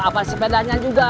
apa sepedanya juga